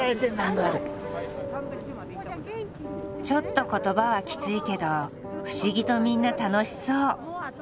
ちょっと言葉はきついけど不思議とみんな楽しそう。